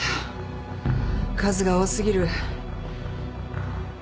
数が多過ぎる。